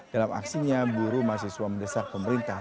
dalam aksinya buru mahasiswa mendesak pemerintah